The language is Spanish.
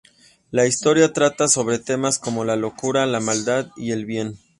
La historia trata sobre temas como la locura, la maldad y el bien.